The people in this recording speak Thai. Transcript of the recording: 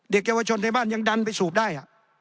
เยาวชนในบ้านยังดันไปสูบได้